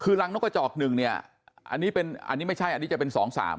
คือรั้งนกกระจอกนี่นี่ไม่ใช่จะเป็น๒๓